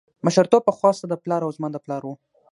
مشرتوب پخوا ستا د پلار او زما د پلار و.